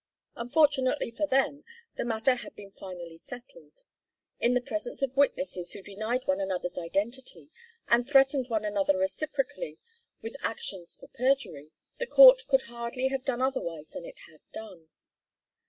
Unfortunately for them the matter had been finally settled. In the presence of witnesses who denied one another's identity, and threatened one another reciprocally with actions for perjury, the court could hardly have done otherwise than it had done.